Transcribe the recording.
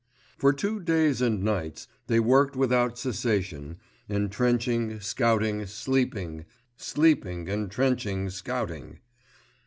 For two days and nights they worked without cessation: entrenching, scouting, sleeping; sleeping, entrenching, scouting.